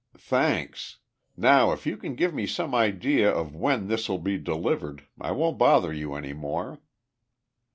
"Thanks! Now if you can give me some idea of when this'll be delivered I won't bother you any more.